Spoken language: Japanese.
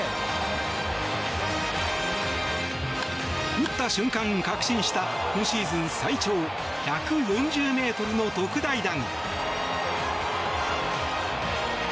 打った瞬間、確信した今シーズン最長１４０ｍの特大弾！